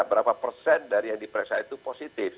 berapa persen dari yang diperiksa itu positif